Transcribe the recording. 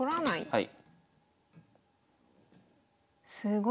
はい。